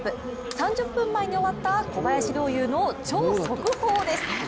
３０分前に終わった小林陵侑の超速報です。